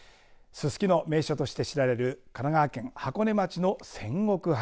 すすきの名所として知られる神奈川県箱根町の仙石原。